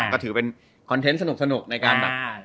ก็ถือเป็นคอนเทนต์สนุกในการแบบ